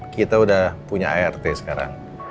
kita sudah punya art sekarang